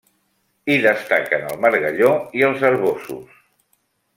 Hi destaquen el margalló i els arboços.